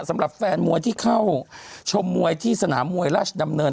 สำหรับแฟนมวยที่เข้าชมมวยที่สนามมวยราชดำเนิน